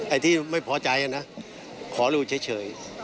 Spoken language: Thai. ไอ้ที่ไม่พอใจนะขอดูเฉย